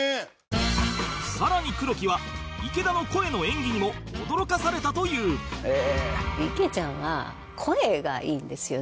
更に黒木は池田の声の演技にも驚かされたというなのでもう。